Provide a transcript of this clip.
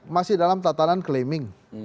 masih dalam tatanan klaiming